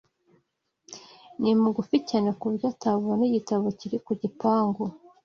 Ni mugufi cyane ku buryo atabona igitabo kiri ku gipangu